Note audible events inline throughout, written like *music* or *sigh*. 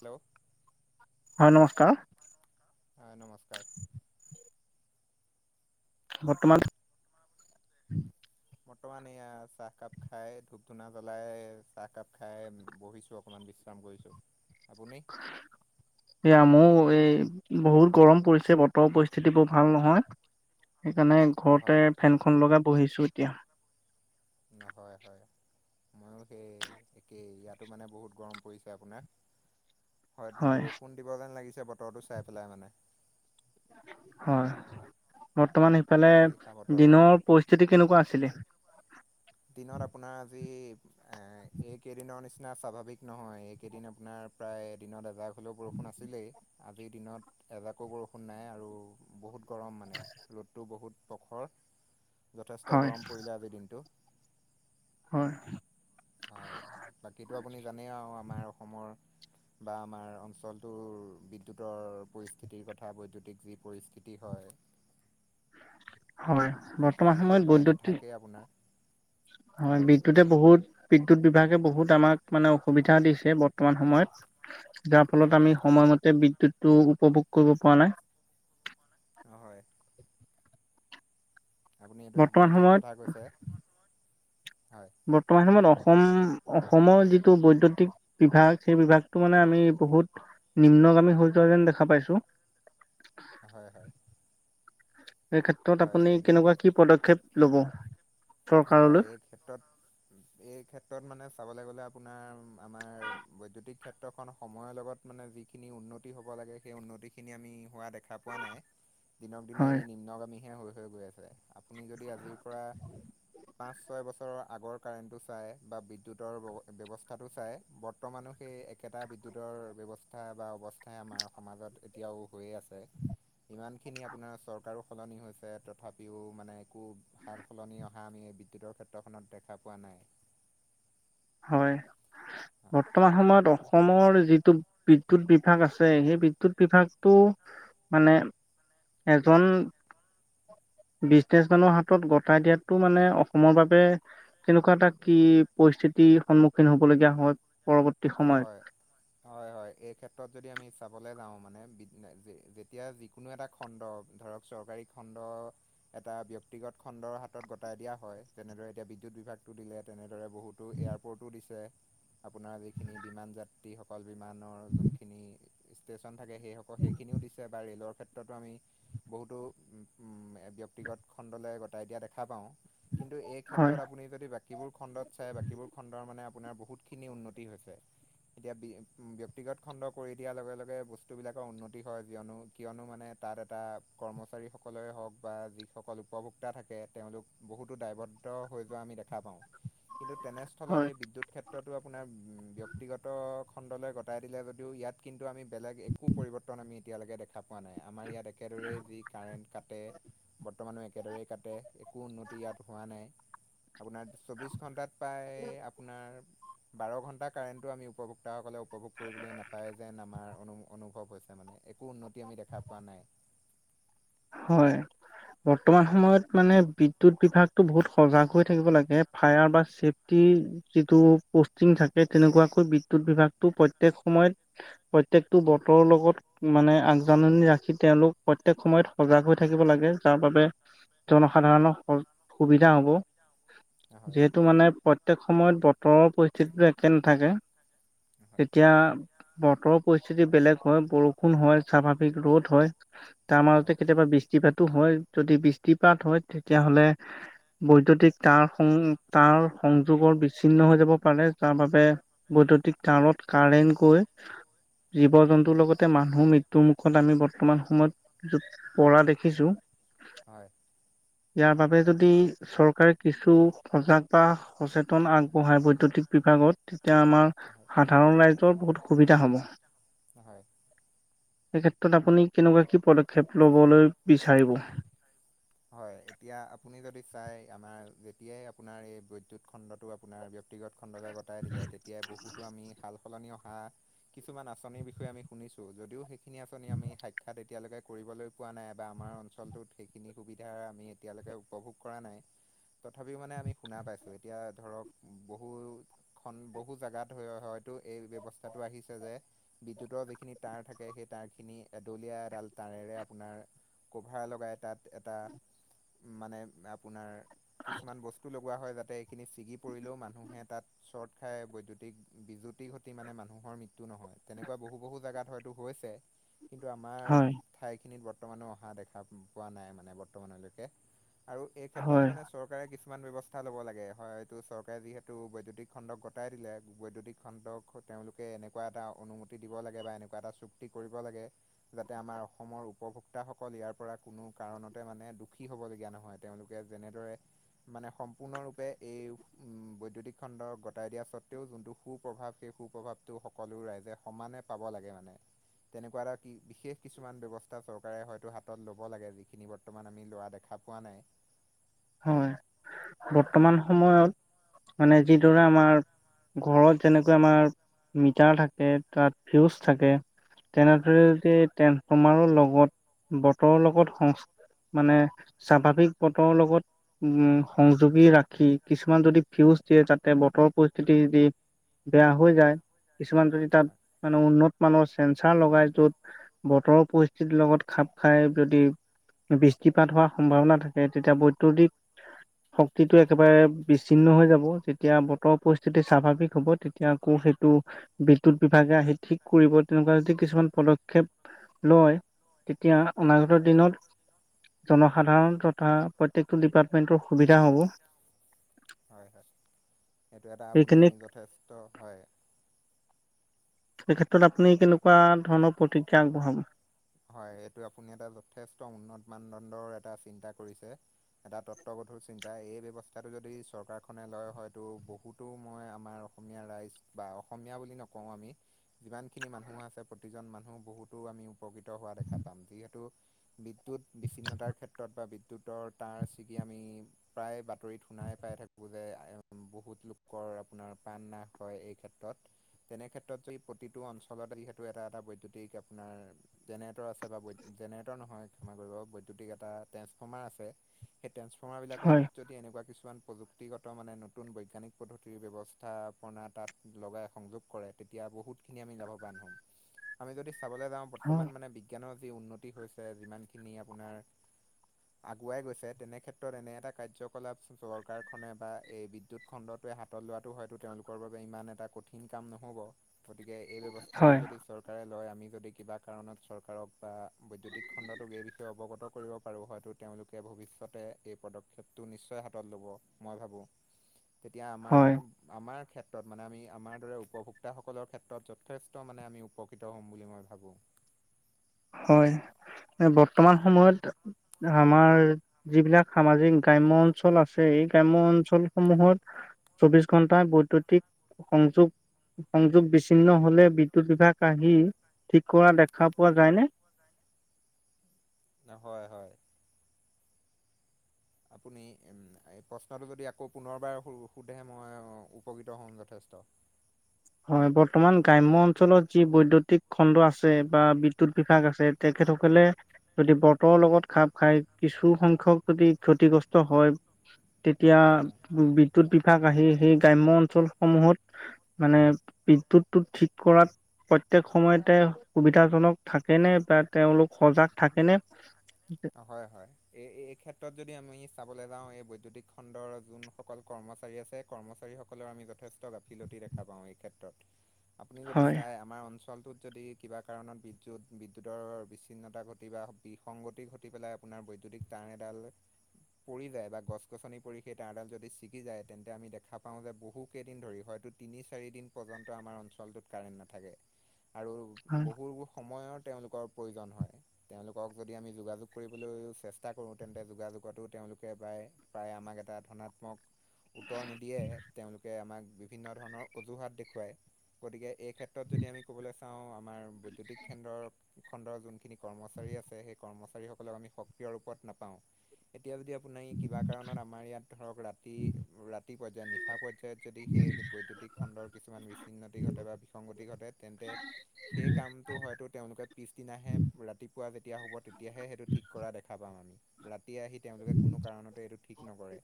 Hello? হয়, নমস্কাৰ। হয়, নমস্কাৰ। বৰ্তমান বৰ্তমান এইয়া চাহকাপ খাই ধূপ ধূনা জ্বলাই চাহকাপ খাই বহিছো অ অকণমান বিশ্ৰাম কৰিছোঁ, আপুনি? *unintelligible* এইয়া ময়ো এই বহুত গৰম পৰিছে বতৰৰ পৰিস্থিতি বৰ ভাল নহয়। সেইকাৰণে ঘৰতে হয় ফেনখন লগাই বহিছো এতিয়া। হয়, হয়। ময়ো সেই একেই ইয়াতো মানে বহুত গৰম পৰিছে আপোনাৰ। হয়, বৰষুণ দিব যেন লাগিছে বতৰটো চাই পেলাই মানে। হয়, বৰ্তমান সিফালে বাৰিষা বতৰ আৰু দিনৰ পৰিস্থিতি কেনেকুৱা আছিলে? দিনত আপোনাৰ আজি এইকেইদিনৰ নিচিনা স্বাভাৱিক নহয়, এইকেইদিন আপোনাৰ প্ৰায় এদিনত এজাক হ'লেও বৰষুণ আছিলেই, আজিৰ দিনত এজাকো বৰষুণ নাই। আৰু বহুত গৰম মানে ৰ'দটো বহুত প্ৰখৰ যথেষ্ট হয় গৰম পৰিলে আজিৰ দিনটো। হয়। হয়, বাকীটো আপুনি জানেই আৰু আমাৰ অসমৰ বা আমাৰ অঞ্চলটোৰ বিদ্যুতৰ পৰিস্থিতিৰ কথা বৈদ্যুতিক যি পৰিস্থিতি কি হয়। হয়, বৰ্তমান সময়ত বৈদ্যুতিক কে আপোনাৰ। হয়, বিদ্যুতে বহুত বিদ্যুৎ বিভাগে বহুত আমাক মানে অসুবিধা দিছে বৰ্তমান সময়ত। যাৰ ফলত হয় আমি হয় সময়মতে বিদ্যুৎ টো উপভোগ কৰিব পৰা নাই। অ', হয়। আপুনি এইটো একদম বৰ্তমান ঠিক সময়ত কথা কৈছে, হয়। বৰ্তমান সময়ত অসম অসমৰ যিটো বৈদ্যুতিক বিভাগ সেই বিভাগটো মানে আমি বহুত নিম্নগামী হৈ যোৱা যেন দেখা পাইছো। হয়, হয়। এই ক্ষেত্ৰত হয় আপুনি এই কেনেকুৱা কি পদক্ষেপ ল'ব? হয়, চৰকাৰলৈ? এই ক্ষেত্ৰত এই ক্ষেত্ৰত মানে চাবলৈ গ'লে আপোনাৰ আমাৰ বৈদ্যুতিক ক্ষেত্ৰখন সময়ৰ লগত মানে যিখিনি উন্নতি হ'ব লাগে সেই উন্নতিখিনি আমি হোৱা দেখা দেখা পোৱা নাই, দিনক দিনে হয়, এই নিম্নগামীহে হৈ হৈ গৈ আছে। আপুনি যদি আজিৰ পৰা পাঁচ ছয় বছৰৰ আগৰ কাৰেণ্টটো চায় বা বিদ্যুতৰ ব্যৱস্থাটো চায়। বৰ বৰ্তমানো সেই একেটা বিদ্যুতৰ ব্যৱস্থা বা অৱস্থাই আমাৰ সমাজত এতিয়াও হৈয়ে আছে। ইমানখিনি আপোনাৰ চৰকাৰো সলনি হৈছে তথাপিও মানে একো সাল সলনি হা' আমি এই বিদ্যুতৰ ক্ষেত্ৰখনত দেখা পোৱা নাই। হয়। হয় বৰ্তমান সময়ত অসমৰ যিটো বিদ্যুৎ বিভাগ আছে। সেই বিদ্যুৎ বিভাগটো মানে এজন বিজনেচ মেনৰ হাতত গতাই দিয়াটো মানে অসমৰ বাবে কেনেকুৱা এটা কি পৰিস্থিতি সন্মুখীন হ'বলগীয়া হয় পৰৱৰ্তী সময়ত হয়। হয়-হয়, এই ক্ষেত্ৰত যদি আমি চাবলৈ যাওঁ মানে যেতিয়া যিকোনো এটা খণ্ড ধৰক চৰকাৰী খণ্ড এটা ব্যক্তিগত খণ্ডৰ হাতত গতাই দিয়া হয় যেনেদৰে এতিয়া বিদ্যুৎ বিভাগটো দিলে। তেনেদৰে বহুতো এয়াৰপৰ্টো দিছে আপোনাৰ যিখিনি বিমান যাত যাত্ৰীসকল বিমানৰ যোনখিনি ষ্টেচন থাকে সেইসকল সেইখিনিও দিছে বা ৰে'লৰ ক্ষেত্ৰতো আমি বহুতো *unintelligible* ব্যক্তিগত খণ্ডলৈ গতাই দেখা কিন্তু এক হয়, ক্ষেত্ৰত আপুনি যদি বাকীবোৰ খণ্ডত চাই বাকীবোৰ খণ্ডৰ মানে আপোনাৰ বহুতখিনি উন্নতি হৈছে। এতিয়া ব্যক্তিগত খণ্ড কৰি দিয়াৰ লগে-লগে বস্তুবিলাকৰ উন্নতি হয় কিয়নো কিয়নো মানে তাত এটা কৰ্মচাৰীসকলৰে হওক বা যিসকল উপভোক্তা থাকে তেওঁলোক বহুতো দায়বদ্ধ হৈ যোৱা আমি দেখা পাওঁ। *unintelligible* কিন্তু তেনেস্থলত হয়, এই বিদ্যুৎ ক্ষেত্ৰতো আপোনাৰ ব্যক্তিগত খণ্ডলৈ গটাই দিলে যদিও ইয়াত কিন্তু আমি বেলেগ একো পৰিৱৰ্তন আমি এতিয়ালৈকে দেখা পোৱা নাই আমাৰ ইয়াতে একেদৰেই যি কাৰেণ্ট কাটে, বৰ্তমানো একেদৰে কাটে। একো উন্নতি ইয়াত হোৱা নাই। আপোনাৰ চৌব্ববিছ ঘণ্টাত প্ৰায় আপোনাৰ বাৰ ঘণ্টা কাৰেণ্টটো আমি উপভোক্তাসকলে উপভোগ কৰিবলৈ নাপায় যেন আমাৰ অনু-অনুভৱ হৈছে মানে এক একো উন্নতি আমি দেখা পোৱা নাই। হয়। বৰ্তমান সময়ত মানে বিদ্যুৎ বিভাগটো বহুত সজাগ হৈ থাকিব লাগে ফায়াৰ বা ছেফটি যিটো ‌পোস্টিং থাকে তেনেকুৱাকৈ বিদ্যুত বিভাগটো প্ৰত্যেক সময়ত প্ৰত্যেকটো বতৰৰ লগত মানে আগজাননী ৰাখি তেওঁলোক প্ৰত্যেক সময়ত সজাগ হৈ থাকিব লাগে তাৰ বাবে জনসাধাৰণৰ সুবিধা হ'ব। হয় যিহেতু মানে প্ৰত্যেক সময়ত বতৰৰ পৰিস্থিতিটো একে নাথাকে। হয় তেতিয়া বতৰৰ পৰিস্থিতি বেলেগ হয়, বৰষুণ হয়, স্বাভাৱিক ৰ'দ হয়। তাৰ মাজতে কেতিয়াবা বৃষ্টিপাতো হয় যদি বৃষ্টিপাত হয় তেতিয়াহ'লে বৈদ্যুতিক তাঁৰসমূহ তাঁৰ সংযোগৰ বিচ্ছিন্ন হৈ যাব পাৰে যাৰ বাবে বৈদ্যুতিক তাঁৰত কাৰেণ্ট গৈ জীৱ-জন্তু লগতে মানুহ মৃত্যুৰ মুুখত আমি বৰ্ত্তমান সময়ত পৰা দেখিছোঁ। হয়। ইয়াৰ বাবে যদি চৰকাৰে কিছু সজাগ বা সচেতন আগবঢ়ায় বৈদ্যুতিক বিভাগত তেতিয়া আমাৰ তেতিয়া আমাৰ *unintelligible* সাধাৰণ ৰাইজৰ বহুত সুবিধা হ'ব। হয় *unintelligible* এই ক্ষেত্ৰত আপুনি কেনেকুৱা কি পদক্ষেপ ল'বলৈ বিচাৰিব। হয়, এতিয়া আপুনি যদি চাই আমাৰ যেতিয়াই আপোনাৰ এই বৈদ্যুত খণ্ডটো আপোনাৰ ব্যক্তিগত খণ্ডকে গটাই দিলে তেতিয়াই বহুতো আমি ভাল সলনি অহা কিছুমান আঁচনিৰ বিষয়ে আমি শুনিছোঁ যদিও সেইখিনি আঁচনি আমি সাক্ষাৎ এতিয়ালৈকে কৰিবলৈ পোৱা নাই বা আমাৰ অঞ্চলটোত সেইখিনি সুবিধা আমি এতিয়ালৈকে উপভোগ কৰা নাই। তথাপিও মানে আমি শুনা পাইছোঁ, এতিয়া ধৰক বহু খন বহু জেগাত হয়-হয়তো এই ব্যৱস্থাটো আহিছে যে- বিদ্যুতৰ যিখিনি তাঁৰ থাকে সেই তাঁৰখিনি এডলীয়া এডাল তাৰেৰে আপোনাৰ- কভাৰ লগাই তাত এটা মানে আপোনাৰ কিছুমান বস্তু ল গোৱা হয় যাতে এইখিনি ছিগি পৰিলেও মানুহে তাত চ্বৰ্ট খাই বৈদ্যুতিক- বিজুতি ঘটি মানে মানুহৰ মৃত্যু নহয়। তেনেকুৱা বহু বহু জেগাত হয়তো হৈছে। কিন্তু আমাৰ হয় ঠাইখিনিত বৰ্তমানো অহা দেখা পোৱা নাই মানে বৰ্তমানলৈকে। আৰু এই ক্ষেত্ৰত হয় মানে- চৰকাৰে কিছুমান ব্যৱস্থা ল'ব লাগে হয়তো চৰকাৰে যিহেতু বৈদ্যুতিক খণ্ডক গটাই দিলে বৈদ্যুতিক খণ্ডক- তেওঁলোকে এনেকুৱা এটা অনুমতি দিব লাগে বা এনেকুৱা এটা চুক্তি কৰিব লাগে- যাতে আমাৰ অসমৰ উপভোক্তা সকল ইয়াৰ পৰা কোনো- কাৰণতে মানে দুখী হ'বলগীয়া নহয়। তেওঁলোকে যেনেদৰে- মানে সম্পূৰ্ণৰূপে এই বৈদ্যুতিক খণ্ড গটাই দিয়া স্বত্ত্বেও যোনটো- সু প্ৰভাৱ সেই সু প্ৰভাৱটো সকলো ৰাইজে সমানে পাব লাগে মানে। তেনেকুৱা এটা কি বিশেষ কিছুমান ব্যৱস্থা চৰকাৰে হয়তো হাতত ল'ব লাগে। যি খিনি বৰ্তমান আমি লোৱা দেখা পোৱা নাই। হয়, হয়। বৰ্তমান সময়ত মানে যিদৰে আমাৰ- ঘৰত যেনেকৈ আমাৰ মিটাৰ থাকে তাত ফিউজ থাকে- তেনেদৰে হয়। যদি ট্ৰেন্সফৰ্মাৰৰ লগত হয়। বতৰৰ লগত সং মানে স্বাভাৱিক বতৰৰ লগত- উমঁ' সংযোগী ৰাখি কিছুমান যদি ফিউজ দিয়ে তাতে বতৰৰ পৰিস্থিতি যি- বেয়া হৈ যায় কিছুমান যদি তাত মানে উন্নত মানৰ চেন্ঞ্চাৰ লগাই য'ত বতৰৰ পৰিস্থিতিৰ লগত খাপ খাই যদি- বৃষ্টিপাত হোৱাৰ সম্ভাৱনা থাকে তেতিয়া বৈদ্যুতিক- শক্তিটো একেবাৰে বিচ্ছিন্ন হৈ যাব, যেতিয়া বতৰৰ পৰিস্থিতি স্বাভাৱিক হ'ব তে এতিয়া আকৌ সেইটো বিদ্যুত বিভাগে আহি ঠিক কৰিব, তেনেকুৱা যদি কিছুমান পদক্ষেপ- লয় তেতিয়া হয় অনাগত দিনত জনসাধাৰণ তথা প্ৰত্যেক টো ডিপাৰ্টমেণ্টৰ সুবিধা হ'ব। হয় হয়, সেইটো এটা আপুনি সেইখিনি যথেষ্ট, হয়। এই ক্ষেত্ৰত আপুনি কেনেকুৱা ধৰণৰ প্ৰতিক্ৰিয়া আগবঢ়াব? হয়, এইটো আপুনি এটা যথেষ্ট উন্নত মানদণ্ডৰ এটা চিন্তা কৰিছে। এটা তত্বগধূৰ চিন্তা এই ব্যৱস্থাটো যদি চৰকাৰখনে লয় হয়তো বহুত তো মই আমাৰ অসমীয়া ৰাইজ বা অসমীয়া বুলি নকওঁ আমি- যিমানখিনি মানুহ আছে প্ৰতিজন মানুহ বহুতো আমি উপকৃত হোৱা দেখা পাম। যিহেতু- বিদ্যুৎ বিচ্ছিন্নতাৰ ক্ষেত্ৰত বা বিদ্যুতৰ তাঁৰ ছিগি আমি- প্ৰায় বাতৰিত শুনাই পাই থাকো যে বহুত লোকৰ আপোনাৰ প্ৰাণ নাশ হয় এই ক্ষেত্ৰত। তেনে ক্ষেত্ৰত যদি প্ৰতিটো অঞ্চলত যিহেতু এটা এটা বৈদ্যুতিক আপোনাৰ- জেনেৰেটৰ আছে বা জেনেৰেটৰ নহয় ক্ষমা কৰিব, বৈদ্যুতিক এটা ট্ৰেন্সফৰ্মাৰ আছে- সেই ট্ৰেন্সফৰ্মাৰ হয় বিলাকত- যদি এনেকুৱা কিছুমান প্ৰযুক্তিগত মানে নতুন বৈজ্ঞানিক পদ্ধতিৰ ব্যৱস্থাপনা তাত- লগাই সংযোগ কৰে তেতিয়া বহুতখিনি আমি লাভৱান হ'ম। আমি যদি চাবলৈ যাওঁ ব বৰ্তমান মানে বিজ্ঞানৰ যি উন্নতি হৈছে যিমানখিনি আপোনাৰ- *unintelligible* আগুৱাই গৈছে তেনে ক্ষেত্ৰত এনে এটা কাৰ্যকলাপ চৰকাৰখনে বা এই বিদ্যুৎ- খণ্ডটোৱে হাতত লোৱাটো হয়তো তেওঁলোকৰ বাবে ইমান এটা কঠিন কাম নহ'ব গতিকে এই ব্যৱ ব্যৱস্থাটো হয় যদি চৰকাৰে লয় আমি যদি কিবা কাৰণত চৰকাৰক বা বৈদ্যুতিক খণ্ডটোক এই বিষয়ে অৱগত কৰিব পাৰোঁ হয়তো তেওঁলোকে ভৱিষ্যতে এই পদক্ষেপটো নিশ্চয় হাতত ল'ব মই ভাবোঁ *unintelligible* তেতিয়া হয় আমাৰ আমাৰ ক্ষেত্ৰত মানে আমি আমাৰ দৰে উপভোক্তাসকলৰ ক্ষেত্ৰত যথেষ্ট মানে আমি উপকৃত হ'ম বুলি মই ভাবোঁ হয় বৰ্তমান সময়ত আমাৰ যিবিলাক সামাজিক গ্ৰাম্য অঞ্চল আছে এই গ্ৰাম্য অঞ্চলসমূহত চৌবিছ ঘণ্টা বৈদ্যুতিক সংযোগ সংযোগ বিছিন্ন হলে বিদ্যুৎ বিভাগ আহি ঠিক কৰা দেখা পোৱা যায়নে হয় হয় আপুনি এই প্ৰশ্নটো যদি আকৌ পুনৰবাৰ সো সোধে মই উপকৃত হ'ম যথেষ্ট হয় বৰ্তমান গ্ৰাম্য অঞ্চলত যি বৈদ্যুতিক খণ্ড আছে বা বিদ্যৎ বিভাগ আছে তেখেতসকলে যদি বতৰৰ লগত খাপ খাই কিছু সংখ্যক যদি ক্ষতিগ্ৰস্ত হয় তেতিয়া বিদ্যুৎ বিভাগ আহি সেই গ্ৰাম্য অঞ্চলসমূহত মানে বিদ্যুতটো ঠিক কৰাত প্ৰত্যেক সময়তে সুবিধাজনক থাকেনে বা তেওঁলোক সজাগ থাকেনে হয় হয় এই এই ক্ষেত্ৰত যদি আমি চাবলৈ যাওঁ এই বৈদ্যুতিক খণ্ডৰ যোনসকল কৰ্মচাৰী আছে কৰ্মচাৰীসকলৰ আমি যথেষ্ট গাফিলতি দেখা পাওঁ এই ক্ষেত্ৰত *inaudible* আপুনি যদি হয় চাই আমাৰ অঞ্চলটোত যদি কিবা কাৰণত বিদ্যুত বিদ্যুতৰ বিচ্ছিন্নতা ঘটি বা বিসংগতি ঘ ঘটি পেলাই আপোনাৰ বৈদ্যুতিক তাঁৰ এডাল পৰি যায় বা গছ গছনি পৰি সেই তাঁৰডাল যদি ছিগি যায় তেন্তে আমি দেখা পাওঁ যে বহুকেইদিন ধৰি হয়তো তিনি চাৰিদিন পৰ্যন্ত আমাৰ অঞ্চলটোত কাৰেণ্ট নাথাকে আৰু হয় বহুবোৰ সময়ৰ তেওঁলোকৰ প্ৰয়োজন হয় তেওঁলোকক যদি আমি যোগাযোগ কৰিবলৈও চেষ্টা কৰোঁ তেন্তে যোগাযোগতো তেওঁলোকে প্ৰায় প্ৰায় আমাক এটা ধনাত্মক উত্তৰ নিদিয়ে তেওঁলোকে আমাক বিভিন্ন ধৰণৰ অজুহাত দেখুৱায় গতিকে এই ক্ষেত্ৰত যদি আমি ক'বলৈ চাওঁ আমাৰ বৈ বৈদ্যুতিক খেণ্ডৰ খণ্ডৰ যোনখিনি কৰ্মচাৰী আছে সেই কৰ্ম আমি সক্ৰিয় ৰূপত নাপাওঁ এতিয়া যদি আপুনি কিবা কাৰণত আমাৰ ইয়াত ধৰক ৰাতি ৰাতি পৰ্যায়ত নিশা পৰ্যায়ত যদি সেই বৈদ্যুতিক খণ্ডৰ কিছুমান বিচ্ছন্নতি ঘটে বা বিসংগতি ঘটে তেন্তে সেই কামটো হয়তো তেওঁলোকে পিছদিনাহে ৰাতিপুৱা যেতিয়া হ'ব তেতিয়াহে সেইটো ঠিক কৰা দেখা পাওঁ আমি ৰাতি আহি তেওঁলোকে কোনো কাৰণতে এইটো ঠিক নকৰে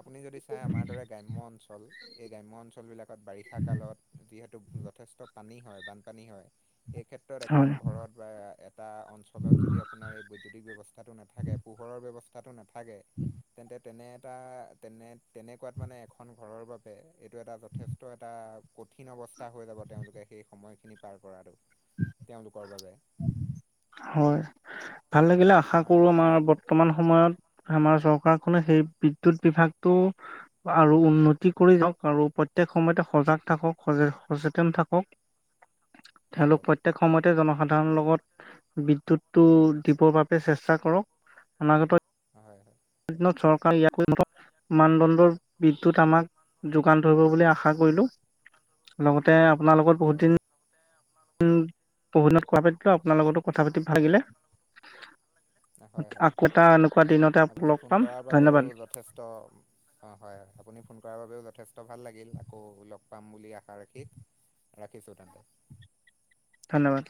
আপুনি যদি চাই আমাৰ দৰে গ্ৰাম্য অঞ্চল এই গ্ৰাম্য অঞ্চলবিলাকত বাৰিষা কালত যিহেতু যথেষ্ট পানী হয় বানপানী হয় সেই ক্ষেত্ৰত এখন হয় ঘৰত বা এটা অঞ্চলত যদি আপোনাৰ এই বৈদ্যুতিক ব্যৱস্থাটো নাথাকে পোহৰৰ ব্যৱস্থা তাটো নাথাকে তেন্তে তেনে এটা তেনে তেনেকুৱাত মানে এখন ঘৰৰ বাবে এইটো এটা যথেষ্ট এটা কঠিন অৱস্থা হৈ যাব তেওঁলোকে সেই সময়খিনি পাৰ কৰাটো তেওঁলোকৰ বাবে হয় ভাল লাগিলে আশা কৰো আমাৰ বৰ্তমান সময়ত আমাৰ চৰকাৰখনে সেই বিদ্যুৎ বিভাগটো আৰু উন্নতি কৰি যাওঁক আৰু প্ৰত্যেক সময়তে সজাগ থাকক সচেতন থাকক হয় তেওঁলোক প্ৰত্যেক সময়তে জনসাধাৰণৰ লগত বিদ্যুটো দিবৰ বাবে চেষ্টা কৰক অনাগত হয় হয় দিনত চৰকাৰ *unintelligible* মানদণ্ডৰ বিদ্যুত আমাক যোগান ধৰিব বুলি আশা কৰিলোঁ লগতে আপোনাৰ লগত হয় বহুত দিন উ বহুদিনত কথা পাতিলোঁ আপোনাৰ লগতো কথা পাতি ভাল লাগিলে হয় হয় আকৌ এটা এনেকুৱা দিনতে আপোনাক আপুনি লগ ফোন পাম কৰাৰ বাবেও ধন্যবাদ যথেষ্ট অঁ হয় আপুনি ফোন কৰাৰ বাবেও যথেষ্ট ভাল লাগিল আকৌ লগ পাম বুলি আশা ৰাখি ৰাখিছো তাতে। ধন্যবাদ।